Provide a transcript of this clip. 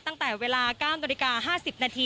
ตั้งแต่เวลา๙ตร๕๐น